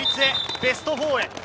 ベスト４へ。